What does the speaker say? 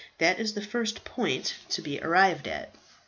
"That is the first point to be arrived at."